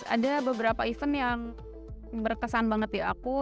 ada beberapa event yang berkesan banget di aku